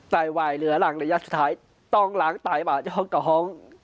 ใต้วายเรือหลังระยะสุดท้ายต้องหลังตายมาจ้องกระฮอง